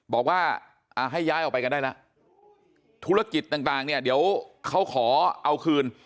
บอกว่าให้ย้ายออกไปกันได้แล้วธุรกิจต่างเนี่ยเดี๋ยวเขาขอเอาคืน